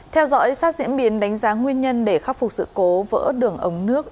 theo dõi sát diễn biến đánh giá nguyên nhân để khắc phục sự cố vỡ đường ống nước